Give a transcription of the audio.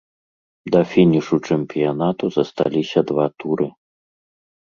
Да фінішу чэмпіянату засталіся два туры.